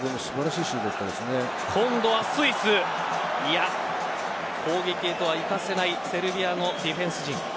いや攻撃へとはいかせないセルビアのディフェンス陣。